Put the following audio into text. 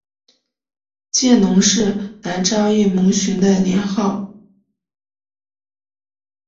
见龙是南诏异牟寻的年号。